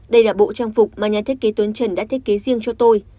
đây là bộ trang phục mà nhà thiết kế tuyến trần đã thiết kế riêng cho tôi